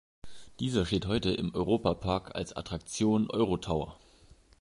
Dieser steht heute im Europa-Park als Attraktion Euro-Tower.